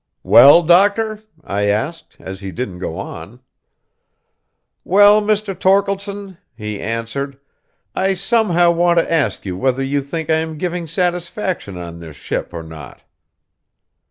"Well, doctor?" I asked, as he didn't go on. "Well, Mr. Torkeldsen," he answered, "I somehow want to ask you whether you think I am giving satisfaction on this ship, or not?"